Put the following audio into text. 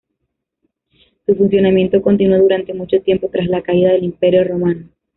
Su funcionamiento continuó durante mucho tiempo tras la caída del Imperio romano.